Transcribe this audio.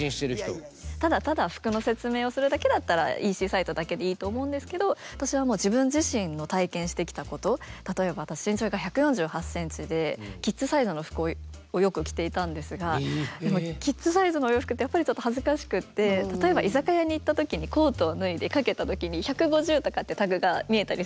ただただ服の説明をするだけだったらＥＣサイトだけでいいと思うんですけど私はもう自分自身の体験してきたこと例えば私身長が１４８センチでキッズサイズの服をよく着ていたんですがでもキッズサイズのお洋服ってやっぱりちょっと恥ずかしくって例えば居酒屋に行った時にコートを脱いで掛けた時に１５０とかってタグが見えたりするんですよ。